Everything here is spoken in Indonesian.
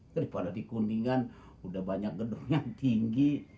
daripada dikuningan udah banyak gedung yang tinggi